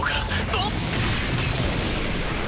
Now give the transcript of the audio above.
あっ！